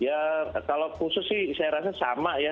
ya kalau khusus sih saya rasa sama ya